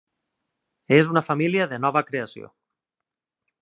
És una família de nova creació.